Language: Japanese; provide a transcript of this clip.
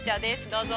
どうぞ。